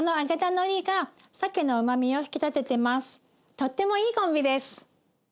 とってもいいコンビです。